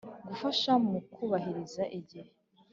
Gufasha mu kubahiriza igihe.